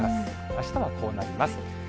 あしたはこうなります。